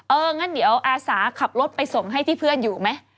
งั้นเดี๋ยวอาสาขับรถไปส่งให้ที่เพื่อนอยู่ไหม